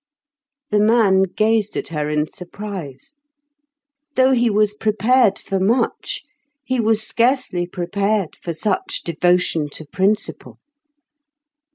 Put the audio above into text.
The man gazed at her in surprise. Though he was prepared for much, he was scarcely prepared for such devotion to principle.